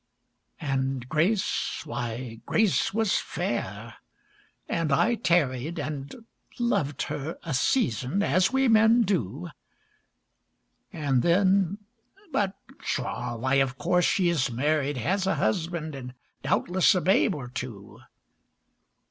And Grace? why, Grace was fair; and I tarried, And loved her a season as we men do. And then but pshaw! why, of course, she is married, Has a husband, and doubtless a babe or two.